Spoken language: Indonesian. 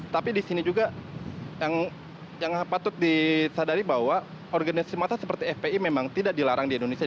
tapi di sini juga yang patut disadari bahwa organisasi masa seperti fpi memang tidak dilarang di indonesia